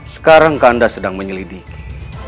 sekarang kanda sedang menyelidiki